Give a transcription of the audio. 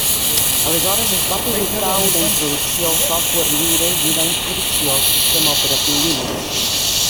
Aleshores es va publicar una introducció al software lliure i una introducció al sistema operatiu Linux.